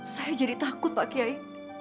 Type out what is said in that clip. saya jadi takut pak kiai